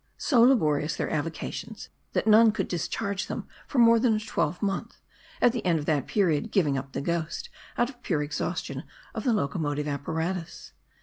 So laborious their avocations, that none could discharge M A R D I. 283 them for more than, a twelvemonth, at the end of that period giving up the ghost out of pure exhaustion of the locomotive apparatus.